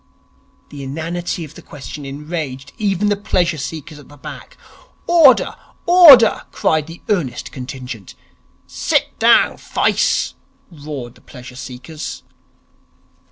The inanity of the question enraged even the pleasure seekers at the back. 'Order! Order!' cried the earnest contingent. 'Sit down, fice!' roared the pleasure seekers.